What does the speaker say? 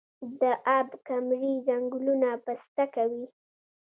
د اب کمري ځنګلونه پسته دي